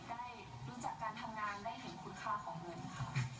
ได้รู้จักการทำงานได้เห็นคุณค่าของเงินค่ะ